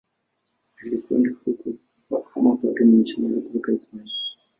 Alikwenda huko kama padri mmisionari kutoka Hispania.